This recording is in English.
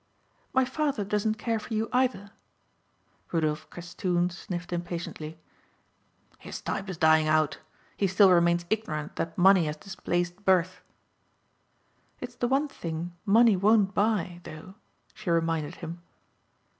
"My father doesn't care for you either." Rudolph Castoon sniffed impatiently. "His type is dying out. He still remains ignorant that money has displaced birth." "It's the one thing money won't buy, though," she reminded him.